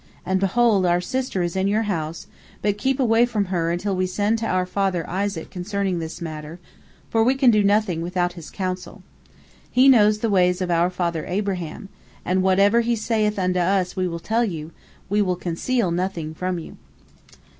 And, behold, our sister is in your house, but keep away from her until we send to our father Isaac concerning this matter, for we can do nothing without his counsel. He knows the ways of our father Abraham, and whatever he saith unto us we will tell you, we will conceal nothing from you."